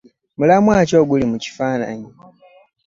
Mulamwa ki oguli mu kifaananyi?